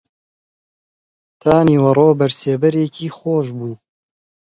تا نیوەڕۆ بەر سێبەرێکی خۆش بوو